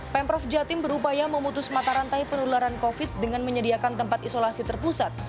pemprov jatim berupaya memutus mata rantai penularan covid dengan menyediakan tempat isolasi terpusat